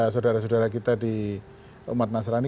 saudara saudara kita di umat nasrani